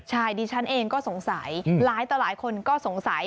ใช่ดิฉันเองก็สงสัยหลายต่อหลายคนก็สงสัย